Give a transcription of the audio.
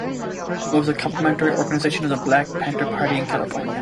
It was a complementary organization of the Black Panther Party in California.